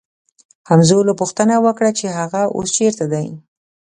هولمز پوښتنه وکړه چې هغه اوس چیرته دی